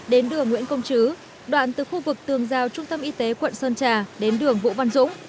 đến đường nguyễn công chứ đoạn từ khu vực tường giao trung tâm y tế quận sơn trà đến đường vũ văn dũng